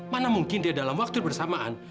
mana mungkin dia dalam waktu bersamaan